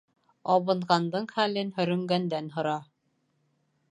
Абынғандың хәлен һөрөнгәндән һора.